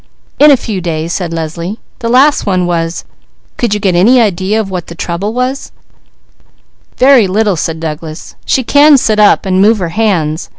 "In a few days," said Leslie. "The last one was, 'Could you get any idea of what is the trouble?'" "Very little," said Douglas. "She can sit up and move her hands.